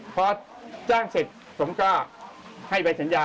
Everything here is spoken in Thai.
พอจ้างเสร็จผมก็ให้ใบสัญญา